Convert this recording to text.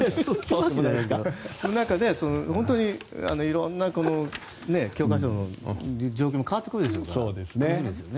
なんか本当に色んな教科書の状況も変わってくるでしょうから楽しみですよね。